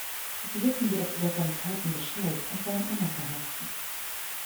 Sie wissen jedoch über seine Taten Bescheid und wollen Anna verhaften.